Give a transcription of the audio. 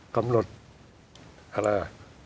กำหนดอะไรอ่ะ